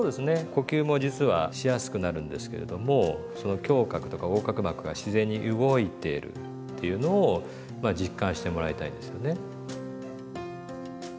呼吸も実はしやすくなるんですけれどもその胸郭とか横隔膜が自然に動いてるっていうのをまあ実感してもらいたいんですよね。